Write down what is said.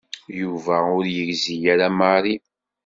Yuba ur yegzi ara Mary.